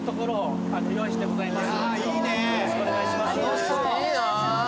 よろしくお願いします